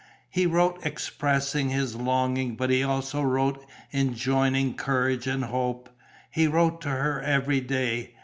He wrote expressing his longing, but he also wrote enjoining courage and hope. He wrote to her every day.